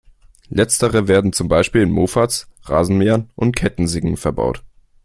Letztere werden zum Beispiel in Mofas, Rasenmähern und Kettensägen verbaut.